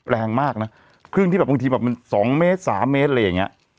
แรงมากนะคลื่นที่แบบบางทีแบบมัน๒เมตร๓เมตรอะไรอย่างเงี้ย